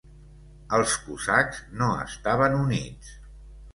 Els cosacs no estaven units.